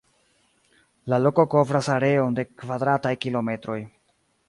La loko kovras areon de kvadrataj kilometroj.